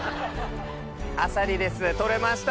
あさりです取れました。